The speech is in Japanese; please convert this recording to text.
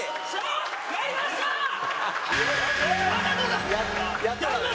ありがとうございます。